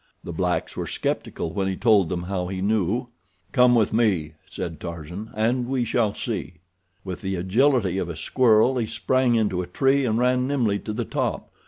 The blacks were skeptical when he told them how he knew. "Come with me," said Tarzan, "and we shall see." With the agility of a squirrel he sprang into a tree and ran nimbly to the top.